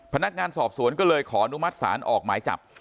พนักงานสอบสวนก็เลยขออนุมัติศาลออกหมายจับ